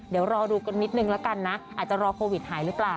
เดี๋ยวรอดูกันนิดนึงละกันนะอาจจะรอโควิดหายหรือเปล่า